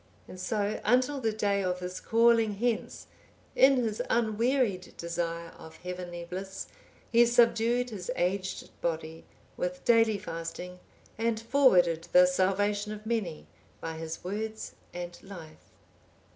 And so, until the day of his calling hence, in his unwearied desire of heavenly bliss, he subdued his aged body with daily fasting, and forwarded the salvation of many by his words and life.